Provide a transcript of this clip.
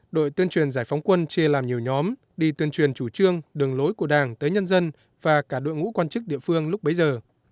đội tuyên truyền giải phóng quân chê làm nhiều nhóm đi tuyên truyền chủ trương đường lối của đảng tới nhân dân và cả đội ngũ quan chức địa phương lúc bấy giờ